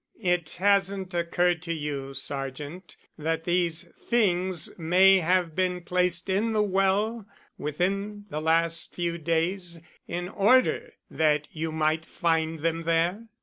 "It hasn't occurred to you, sergeant, that these things may have been placed in the well within the last few days in order that you might find them there?"